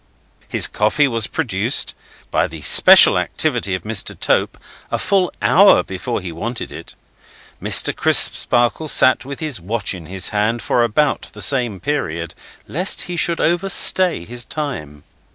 His coffee was produced, by the special activity of Mr. Tope, a full hour before he wanted it. Mr. Crisparkle sat with his watch in his hand for about the same period, lest he should overstay his time.